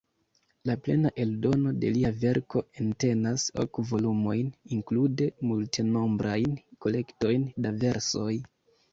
La plena eldono de lia verko entenas ok volumojn, inklude multenombrajn kolektojn da versoj.